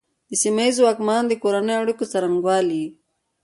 د سیمه ییزو واکمنانو د کورنیو اړیکو څرنګوالي.